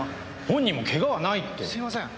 本人もけがはないって。